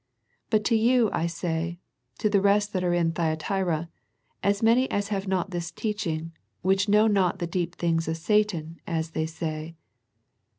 " But to you I say, to the rest that are in Thyatira, as many as have not this teaching, which know not the deep things of Satan, as they say."